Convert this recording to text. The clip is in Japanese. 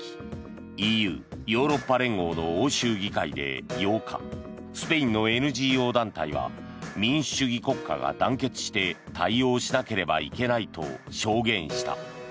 ＥＵ・ヨーロッパ連合の欧州議会で８日スペインのＮＧＯ団体が民主主義国家が団結して対応しなければいけないと証言した。